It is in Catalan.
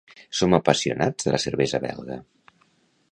Som apassionats de la cervesa belga.